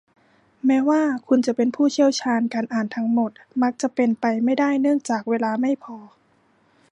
แม้ว่าคุณจะเป็นผู้เชี่ยวชาญ การอ่านทั้งหมดมักจะเป็นไปไม่ได้เนื่องจากเวลาไม่พอ